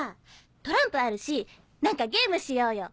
トランプあるし何かゲームしようよ。